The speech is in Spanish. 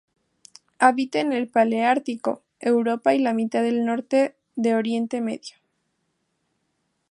Habita en el paleártico: Europa y la mitad norte de Oriente Medio.